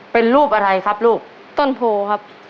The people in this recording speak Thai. เป็นรูปอะไรครับลูกต้นโพครับ